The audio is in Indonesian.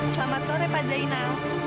selamat sore pak zainal